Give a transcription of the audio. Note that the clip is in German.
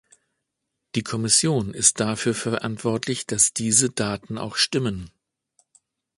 Die Kommission ist dafür verantwortlich, dass diese Daten auch stimmen!